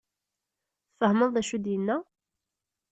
Tfehmeḍ d acu i d-yenna?